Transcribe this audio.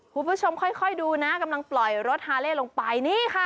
คุณผู้ชมค่อยดูนะกำลังปล่อยรถฮาเล่ลงไปนี่ค่ะ